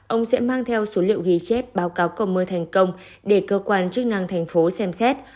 ông sẽ mang theo số liệu ghi chép báo cáo cầu mưa thành công để cơ quan chức năng thành phố xem xét